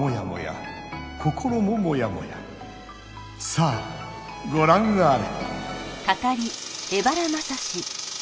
さあごらんあれ！